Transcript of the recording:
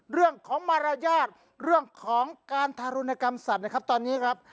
เรื่องของมารยาทเรื่องของการทารุณกรรมสัตว์นะครับตอนนี้ครับ